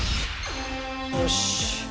よし。